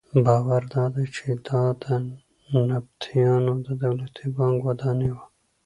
باور دادی چې دا د نبطیانو د دولتي بانک ودانۍ وه.